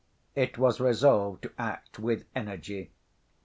It was resolved to act with energy.